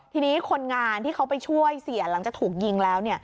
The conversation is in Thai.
ทีนี้คนงานที่เขาไปช่วยเสียหลังจากถูกยิงแล้ว